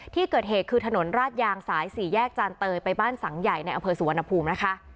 ที่เกิดเหตุคือถนนราดยางสาย๔แยกจานเตยไปบ้านสังใหญ่ในอำเภอสุวรรณภูมินะคะ